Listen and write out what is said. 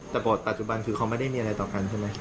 แต่บทปัจจุบันคือเขาไม่ได้มีอะไรต่อกันใช่ไหม